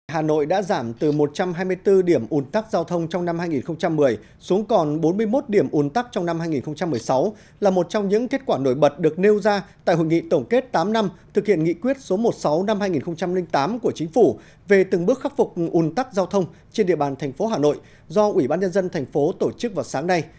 hà nội đã giảm từ một trăm hai mươi bốn điểm ủn tắc giao thông trong năm hai nghìn một mươi xuống còn bốn mươi một điểm ủn tắc trong năm hai nghìn một mươi sáu là một trong những kết quả nổi bật được nêu ra tại hội nghị tổng kết tám năm thực hiện nghị quyết số một mươi sáu năm hai nghìn tám của chính phủ về từng bước khắc phục ủn tắc giao thông trên địa bàn thành phố hà nội do ủy ban nhân dân thành phố tổ chức vào sáng nay